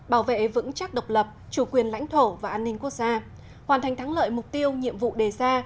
bảo vệ vững chắc độc lập chủ quyền lãnh thổ và an ninh quốc gia hoàn thành thắng lợi mục tiêu nhiệm vụ đề ra